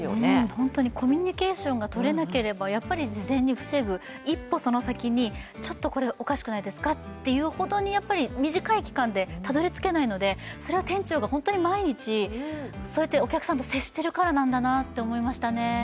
本当にコミュニケーションが取れなければ、未然に防ぐ、一歩その先に、これおかしくないですかってやっぱり短い期間でたどり着けないのでそれは店長が本当に毎日、お客さんと接しているからなんだと思いましたね。